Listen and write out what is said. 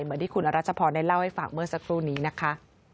เหมือนที่คุณอรัชพรได้เล่าให้ฟังเมื่อสักครู่นี้นะคะ